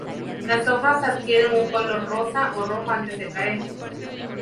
Las hojas adquieren un color rosa o rojo antes de caer.